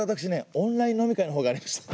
オンライン飲み会のほうがありました。